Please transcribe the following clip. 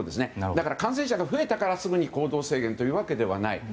だから感染者が増えたからすぐに行動制限というわけではない。